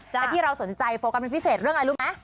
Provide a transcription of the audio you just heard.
และที่เราสนใจโฟกัสเป็นพิเศษเรื่องอะไรรู้ไหม